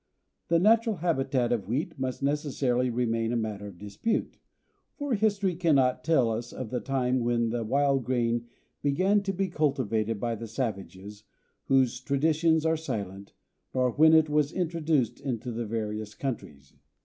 The natural habitat of wheat must necessarily remain a matter of dispute, for history cannot tell us of the time when the wild grain began to be cultivated by the savages, whose traditions are silent, nor when it was introduced into the various countries.